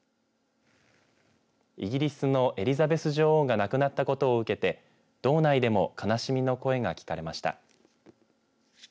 イギリスのエリザベス女王が亡くなったことを受けて道内でも悲しみの声が聞かれました。